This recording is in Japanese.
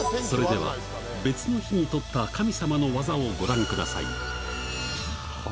それでは、別の日に撮った神様の技をご覧ください。